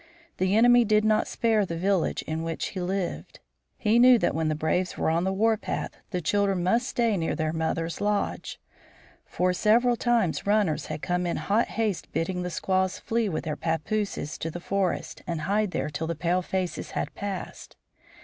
The enemy did not spare the village in which he lived. He knew that when the braves were on the warpath the children must stay near their mother's lodge. For, several times runners had come in hot haste bidding the squaws flee with their pappooses to the forest and hide there till the palefaces had passed.